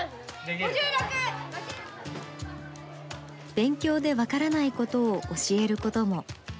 勉強で分からないことを教えることも。